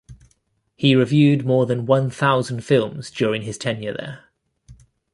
He reviewed more than one thousand films during his tenure there.